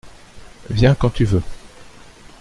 Viens quand tu veux.